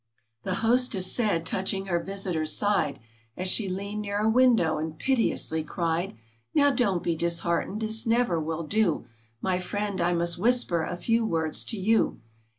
" The hostess said, touching her visitor's side, As she leaned near a window and piteously cried, " How, don't be disheartened ! This never will do. My friend, I must whisper a few words to you.